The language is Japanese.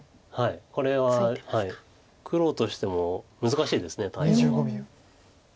これは黒としても難しいです対応が。